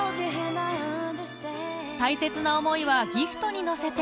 大切な思いはギフトに乗せて